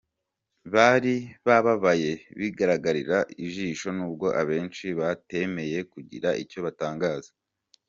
Bari bababaye bigaragarira ijisho nubwo abenshi batemeye kugira icyo batangaza.